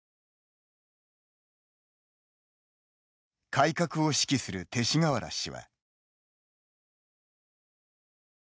改革を指揮する勅使河原氏は。